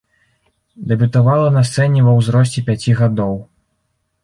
Дэбютавала на сцэне ва ўзросце пяці гадоў.